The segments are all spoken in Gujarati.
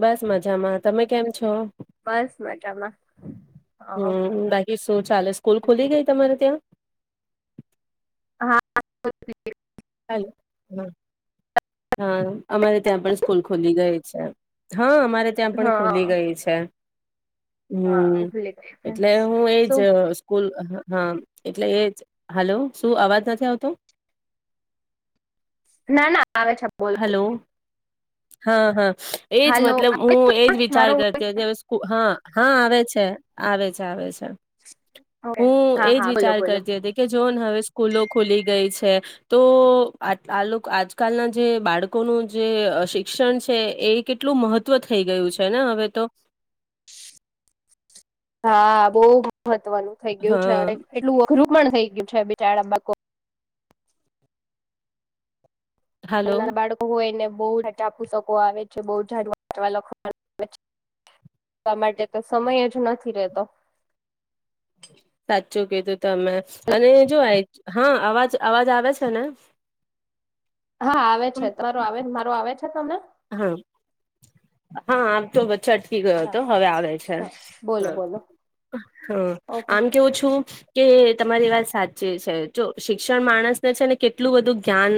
બસ મજામાં. તમે કેમ છો? બસ, મજામાં, હ‌ તો ચાલો, સ્કૂલ ખુલી ગઈ તમારે ત્યાં? હા. હલો. હ, હા, અમારે ત્યાં પણ સ્કૂલ ખુલી ગઈ છે. હા, અમારે ત્યાં પણ ખુલી હા ગઈ છે. હા હમ, ભૂલી ગઈ એટલે હું એજ શું સ્કૂલ હા, એટલે એ જ. હલો, શું અવાજ નથી આવતો? ના, ના. આવે છે, બોલ. હલો હા, હા. એજ મતલબ હું એજ વિચાર મારો કરતી હતી, હા. હા, આવે છે, આવે છે, આવે છે. હું હા એજ હા બોલો વિચાર બોલો કરતી હતી કે જોને હવે સ્કૂલો ખુલી ગઈ છે, તો આ આજકાલના જે બાળકોનું જે શિક્ષણ છે, એ કેટલું મહત્ત્વ થઈ ગયું છે ને, હવે તો હા, બહુ. હ [unintelligible] નું થઈ ગયું છે હા એટલું અઘરું પણ થઈ [unintelligible] ગયું છે બીચાડા બાકો ના હાલો ના બાળકો હોય ને [unintelligible] બહાપુસકો આવે છે બહ જા [unintelligible] વાચવા લખવા માટે તો સમય જ નથી રતો. સાચું કીધુ. તમે અને જો આય હા અવાજ અવાજ આવે છે ને? હા આવે છે તમારો આવે મારો આવે છે તમને? હા હા આમ તો ચટકી ગયો હતો હા હવે આવે છે બોલો હ બોલો હા ઓકે આમ કેવું છું કે તમારી વાત સાચી છે જો શિક્ષણ માણસને છે ને કેટલું બધું જ્ઞાન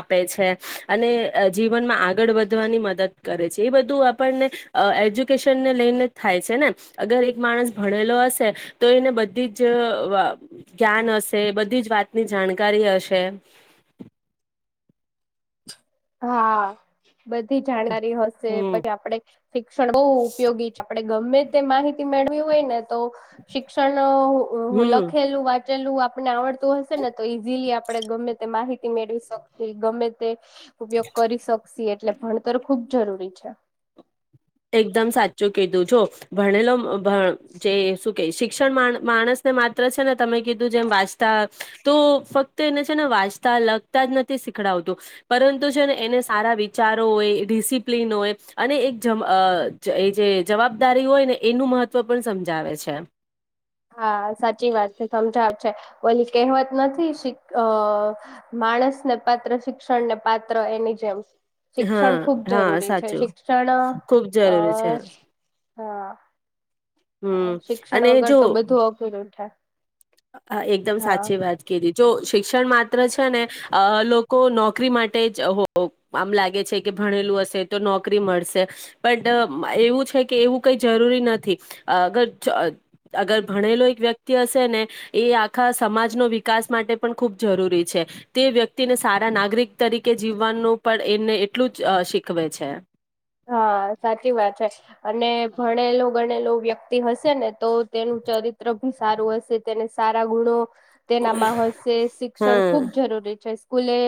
આપે છે અને જીવનમાં આગળ વધ વધવાની મદદ કરે છે એ બધું આપણને એજ્યુકેશનને લઈને જ થાય છે ને અગર એક માણસ ભણેલો હશે તો એને બધી જ જ્ઞાન હશે બધી જ વાતની જાણકારી હશે હા બધી જાણકારી હશે હમ પછી આપડે શિક્ષણ બહુ ઉપયોગી છે આપડ ગમે તે માહિતી મેળવી હોય ને તો શિક્ષણ હમ લખેલું વાત લું આપને આવડતું હશે ને તો ઈઝીલી આપણે ગમે તે માહિતી મેળવી શકએ ગમે તે ઉપયોગ કરી શકશ એટલે ભણતર ખુબ જરૂરી છે એકદમ સાચું કીધું જો ભણેલો જે શું કે શિક્ષણ માણસને માત્ર છે ને તમે કીધું જેમ વાંચતા તો ફક્ત એને છે ને વાંચતા લગતા જ નથી શીખડાવતું પરંતુ છે ને એને સારા વિચારો હોય ડિસિપ્લિન હોય અને એક અ અ એ જે જવાબદારી હોય ને એનું મહત્ત્વ પણ સમજાવે છે હા સાચી વાત છે સમજ છે ઓલી કહેવત નથી અ માણસ ને પાત્ર શિક્ષણ ને પાત્ર એની જેમ હા શિક્ષણ ખુબ હા જરૂરી છે સાચું શિક્ષણ અ ખુબ જરૂરી છે હા હા હમ શિક્ષણ અને જો વગર તો બધું અઘરુંથાય હા એકદમ સાચી વાત કીધી જો શિક્ષણ માધ્ય છે ને લોકો નો નોકરી માટે જ હો આમ લાગે છે કે ભણેલું હશે તો નોકરી મળશે પણટ એવું છે કે એવું કઈ જરૂરી નથી અગર અગર ભણેલો એક વ્યક્તિ હશે ને એ આખા સમાજનો વિકાસ માટે પણ ખૂબ જરૂરી છે તે વ્યક્તિને સારા નાગરિક તરીકે જીવવાનું પણ એને એટલું જ શીખવે છે હા સાચી વાત છે અને ભણેલો ગણેલો વ્યક્તિ હશે ને તો તેનું ચરિત્ર સારું હશે તેને સારા ગુણો તેનામાં હશે શિક્ષણ હા ખુબ જરૂરી છે સ્કૂલે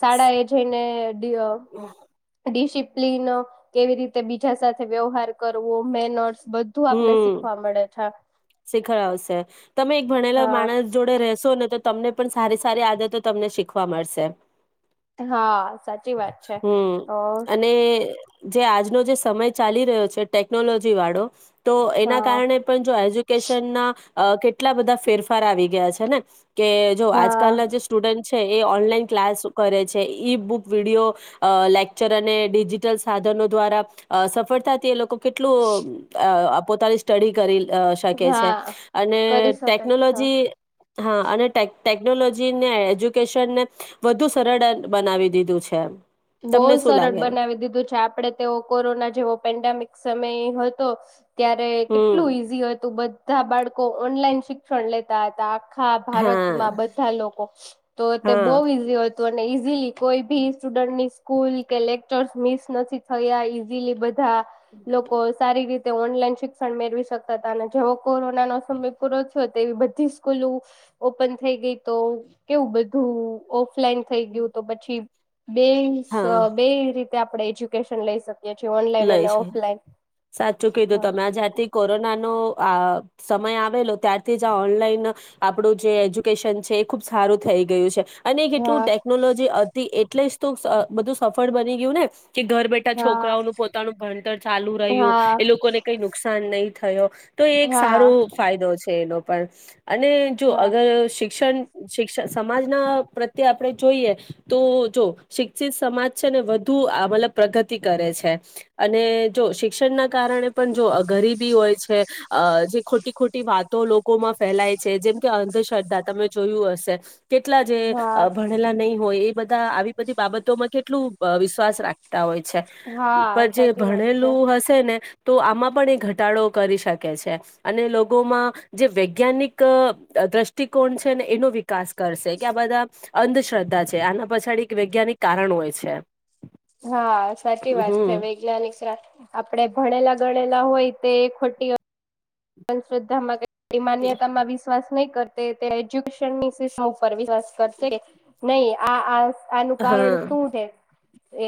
શાળા એ જઈને દીયો ડિસિપ્લન કેવી રીતે બીજા સાથે વ્યવહાર કરવો મેનર્સ બધું આપને હમ શીખવા મળે છે શીખવા આવશે તમે એક ભણેલા હા માણસ જોડે રશો ને તો તમને પણ સારી સારી આદતો તમને શીખવા મળશે હા સાચી વાત છે તો હમ અને જે આજનો જે સમય ચાલી રહ્યો છે ટેકનોલોજી વાળો તો એના હા કારણે પણ જો એજ્યુકેશન ના અ કેટલા બધા ફેરફાર આવી ગયા છે ને કે જો હા આજકાલના જે સ્ટુડન્ટ એ ઓનલાઈન ક્લાસ કરે છે ઈ બુક વિડીયો લેક્ચર અને ડિજિટલ સાધનો દ્વારા સફળતાથી એ લોકો કેટલું અ પોતાની સ્ટડી કરી શકે છે હા અને કરી શકે છે ટેકનોલોજી હા અનેટે ટેકનોલોજીને એજ્યુકેશનને વધુ સરળ બનાવી દીધું છે એ બહુ સરળ બનાવી દીધું છે આપડે તેઓ કોરોના જેવો પેન્ડેમિક સમય તોફ ત્યારે કેટલું હમ ઈઝી હતું બધ તા બાળકો ઓનલાઈન શિક્ષણ લેતા હતા આખા હા ભારતમાં બધા લોકો તો તે હા બહુ ઈજી અને ઈઝીલી કોઈ બી સ્ટુડન્ટની સ્કૂલ કે લેકચર્સ મિસ નથી થયા ઈઝીલી બધા હા લોકો સારી રીતે તે ઓનલાઈન શિક્ષણ મેળવી શકતા હતા અને જેવો કોરોના નો સમય પૂરો થયો તેવી બધી સ્કૂલ ઓપન થઈ ગઈ તો કેવું બધું ફ્લેન થઈ ગયું તો પછી બે હા બે રીતે તે આપણે એજ્યુકેશન લઈ શકી લઈ છે સાચું કીધું હા તમે આ જાથી કોરોના નો આ સમય આવેલો ત્યારથી જ આ ઓનલાઈન આપણું જે એજ્યુકેશન છે એ ખુબ સારું થઈ ગયું છે અને કેટલું હા ટેકનોલોજી હતી એ એટલે જ તો બધું સફળ બની ગયું ને કે ઘર બેઠા હા છોકરાઓનું પોતાનું ભણતર ચાલુ રહ્યું હા એ લોકોને કઈ નુકસાન નઈ થયો. તો એ એક સારો ફાયદો છે. એ લોકો પર અને જો હા અગર શિક્ષણ શિક્ષણ સમાજના પ્રત્યે આપડે જોઈએ તો જો શિક્ષિત સમાજ છે ને વધુ અ મતલબ પ્રગતિ કરે છે. અને જો શિક્ષણના કારણે પણ જો ગરીબ બી હોય છે. અ જે ખોટી-ખોટી વાતો લોકોમાં ફેલાય છે. જેમ કે અંધશ્ર્ધા તમે જોયું હશે. કેટલા જે હા ભણેલા નહીં હોય એ બધા આવી બધી બાબતોમાં કેટલું વિશ્વાસ રાખતા હોય છે. હા જે સાચી વાત છે ભણેલું હશે ને તો આમાં પણ એ ઘટાડો કરી શકે છે. અને લોકોમાં જે વૈજ્ઞાનિક દ્રષ્ટિકોણ છે ને એનો વિકાસ કરશે કે આ બધા અંધશ્રદ્ધા છે. આના પછાડી એક વૈજ્ઞાનિક કારણ હોય છે. હા, સાચી વાત છે. હમ [unintelligible] આપડે ભણેલા-ગણેલા હોય તે એ ખોટી અંધશ્રદ્ધામાં માન્યતામાં વિશ્વાસ નહી કરતે તે એજ્યુકેશનની સિસ્ટમ ઉપર વિ કરશેે. નઈ. આ આ આનું કારણ હા શું ધે?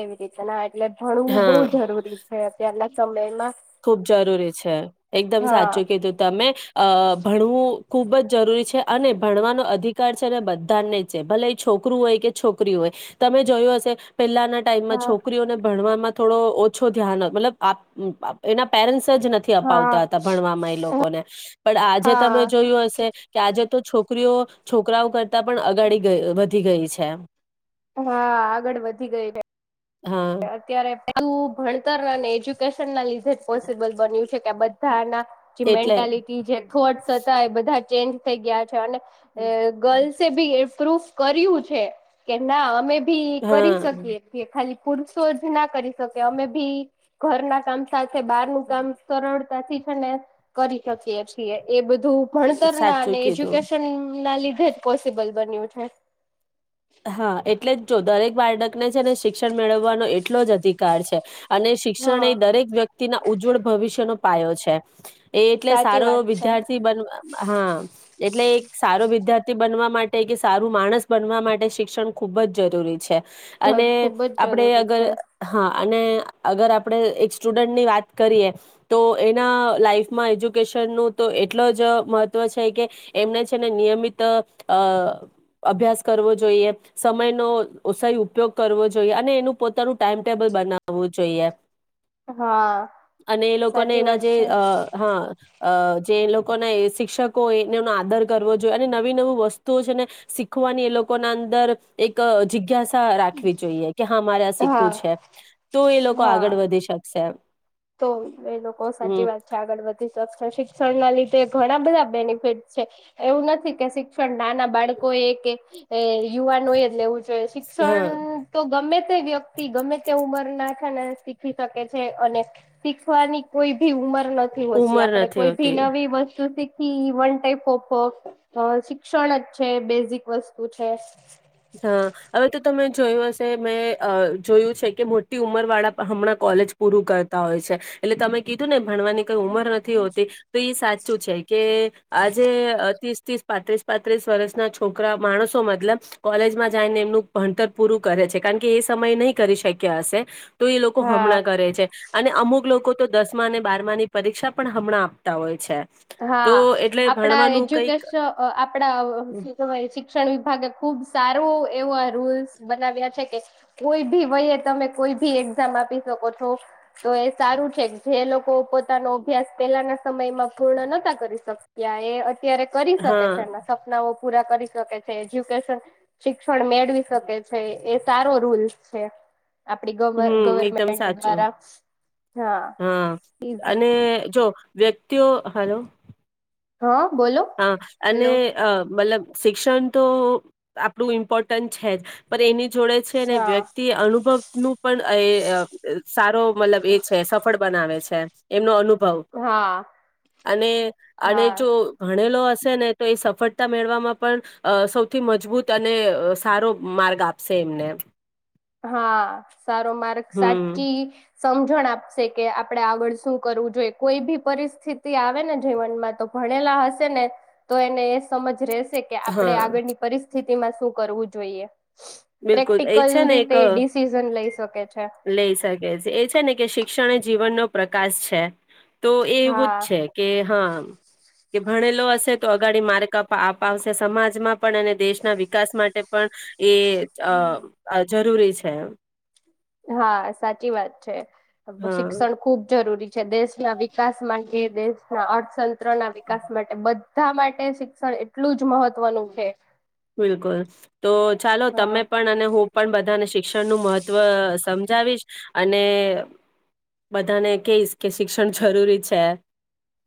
એવી રીત ના એટલે ભણવું હા બઉ જરૂરી છે. અત્યારના સમયમાં. ખુબ જરૂરી છે. એકદમ હા સાચું કીધું તમે અ ભણવું ખૂબ જ જરૂરી છે. અને ભણવાનો અધિકાર છે ને બધાને જ છે ભલે એ છોકરું હોય કે છોકરી હોય તમે જોયું હશે પેલાના ટાઈમમાં હા છોકરીઓને ભણવાવા માં થોડો ઓછો ધ્યાન મતલબ આપ અપ એના પેરેન્ટ્સ જ નથી હા અપાવતા હતા ભણવામાં એ લોકોને પણ આજે તમે હા જોયું હશે કે આજે તો છોકરીઓ છોકરાઓ કર તા પણ અગાડી ગ વધી ગઈ છે. એમ હા આગળ વધી ગઈ છે હા અત્યારે ભણતરને એજ્યુકેશન ના લીધ પોસિબલ બન્યું છે કે આ બધાના જે એટલે મેન્ટાલિટી જે થોટસ હતા એ બધા ચેન્જ થઈ ગયા. છે ગર્લસ એ ભી. પ્રૂફ કર્યું છે કે ના અમે. ભી કરી હા શકીએ ખાલી. પુરસો જ ના કરી શકે અમે ભી ઘર ના કામ સા. બહાર નું કામ કરણ. સાથી છે ને કરી શકીએ છીએ એ બધું. હુ ભણતર ના સાચું અને કીધું એજ્યુકેશન. આ ના લીધે જ પોસિબલ બન્યું છે. હા એટલે જ જો દરેક બાળકને છે અને શિક્ષણ મેળવવાનો એ. એટલો જ અધિકાર છે. અને શિક્ષણ હા એ દરેક વ્યક્તિના ઉજ્જવળ ભવિષ્યનો. પાયો છે. એ એટલે સાચી સારો વાત છે વિદ્યાર્થી બનવામાં હા. એટલે એક સારો વિદ્યાર્થી બનવા માટે કે સારું માણસ બનવા માટે. શિક્ષણ ખુબ જ જરૂરી છે. ઘર અને ખુબ જ આપડે જરૂરી અગર છે હા. અને અગર આપણે એક સ્ટુડન્ટની વાત કરીએ તો એના લાાઈફમાં એજ્યુકેશનનું તો એટલો જ મહત્ત્વ છે કે એમને છે ને નિયમિત અભ્યાસ કરવો જોએ. જોઈએ સમયનો સહી ઉપયોગ કરવો જોઈએ અને એનું પોતાનું ટાઈમ ટેબલ બનાવવું જોઈએ. હા અને એ લોકોને સાચી એના વાત જે છે હા. અ જે એ લોકોને શિક્ષકો હોય એને એનો આદર કરવો જોઈએ અને નવી નવી વસ્તુઓ છે ને શીખવાની એ લોક ના અંદર એક જિગ્યાસા રાખવી જોઈએ કે હા મારે આ હા શીખવું છે તો એ લોકો હા આગળ વધી શકશે. તો એ લોકો સાચી હમ વાત છે આગળ વધી શકષે શિક્ષણ ના લીધે. તે ઘણા બધા બેનિફિટ છે એવું નથી કે શિક્ષણ નાના બાળકો એ કે યુવાનો એ જ લેવું હા શિક્ષણ તો ગમે તે વ્યક્તિ ગમે તે ઉંમર. ના છે ને શીખી શકે છે અને. શીખવાની કોઈ. ઉમર નથી હોછી ઉમર આપણે નથી કોઈ ભી હોતી નવી વસ્તુ શીખ. થી વન ટાઇપ ઓફો શિક્ષણ જ છે બેઝિક વસ્તુ છે. હા હવે તો તમે જોયું હશે મેં જોયું છે કે મોટી ઉંમર વાળા હમણાં કોલેજ પૂરું કરતા હોય છે એટલે તમે કીધું ને. ભણવાની કઈ ઉમર નથી હોતી તો સાચું છે કે આજે અતિ. પ્રીસ પાંત્રીસ પાંત્રીસ વર્ષના છોકરા માણસો મતલબ. કોલેજમાં જાયને એમનું ભણતર પૂરું કરે છે કારણ કે એ સમય નહીં કરી શક્યા હશે. તો એ લોકો હા હમણાં કરે છે. અને અમુક લોકો તો દસમા અને બારમા ની પરીક્ષા પણ હમણાં આપતા હોય છે. તો હા એટલે આપડા ભણવાનું કઈક એજ્યુકેશ આપડા શિક્ષણ વિભાગે ખુબ સારો એવા રૂલ્સ બનાવ્યા છે કે કોઈ ભી વયે તમે કોઈ ભી એક્ઝામ આપી શકો છો તો એ સારું છે જે લોકો પોતાનો અભ્યાસ પેલાના સમયમાં. પૂર્ણ નતા કરી શક્યા એ અત્યારે કરી શકે હા છે એમના સપનાઓ પૂરા કરી શકે છે એજ્યુકેશન શિક્ષણ મેળવી શકે છે એ સારો રૂલ્સ છે. આપડી હમ એકદમ ગવર્મેન્ટ સાચું દ્વારા હા એજ વેક. તે હલોલો. હા. બોલો હા અને હેલો અ મતલબ શિક્ષણ તો આપણું ઇમ્પોર્ટન્ટ છે જ પણ એની જોડે છે અને હા વ્યક્તિ અનુભવનું પણ એ સારો. મતલબ એ છે સફળ બનાવે છે. એમનો અનુ ભાવ હા અને અને હા જો ભણેલો હશે ને તો એ સફળતા મેળવામાં પણ સૌથી મજબૂત અને સારો માર્ગ આપશે એમને. હા. સારો માર્ગ હમ સી. સમજણ આપશે કે આપડે આગળ શું કરવું જોઈએ કોઈ બી પરિસ્થિતિ આવે ને જીવનમાં તો ભણેલા હશે ને તો એને એ સમજ રહે. કે આપણે હા આગળની પરિસ્થિતિ તેમાં શું કરવું જોઈએ. બિલકુલ એ છે ને એક એ ડડી સિઝન લઈ. ઓકે લઈ શકે છે એ છે ને કે શિક્ષણ - જીવનનોો પ્રકાશ છે. તો એ હા એવું જ છે કે હા. કે ભણેલો હશે તો અગાડી માર્ક અપા આપાવશે સમાજમાં પણ અને દેશના વિકાસ માટે પણ એ હમ અ જરૂરી છે. છે એવું હા સાચી વાત છે. હા શિક્ષણ ખૂબ જરૂરી છે, દેશના વિકાસ મા એ દેશના અર્થતંત્ર ના વિકાસ માટે બધ ધા માટે શિક્ષણ એટલું જ મહત્વનું છે. બિલકુલ. તો ચાલો હા તમે પણ અને હું પણ બધાને શિક્ષણ નું મહત્વ સમજાવીશ અને બધાને કહીશ કે શિક્ષણ જરૂરી છે.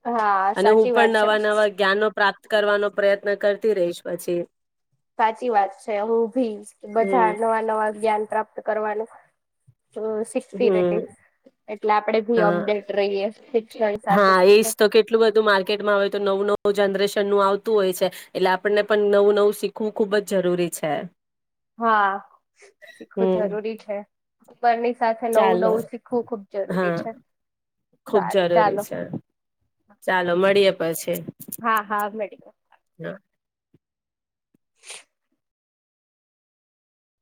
હા અને હું સાચી વાત પણ છે. નવા નવા જ્ઞાનો પ્રાપ્ત કરવાનો પ્રયત્ન કરતી રહીશ પછી. સાચી વાત છે હું ભી બધા હમ નવા નવા જ્ઞાન પ્રાપ્ત કરવાનું અ શિખતી હમ રહીશ એટલે આપણેે ભી હા અપડેટ રહીએ શિક્ષણ સાથે સાથે. કેટમાં હોય તો નવું નવું જનરેશન નું આવતું હોય છે, એટલે આપણને પણ નવું નવું શીખવું ખુબ જ જરૂરી છે. હા શીખવુ હમ જરૂરી છે. ઉપરની સાથે નવું ચાલો નવું શીખવું ખુબ જરૂરી હા છે ખુબ સારું જરૂરી ચાલો છે, ચાલો મળીએ પછી હા હા મળી હા.